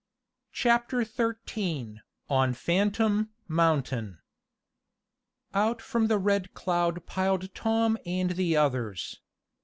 CHAPTER XIII ON PHANTOM MOUNTAIN Out from the Red Cloud piled Tom and the others.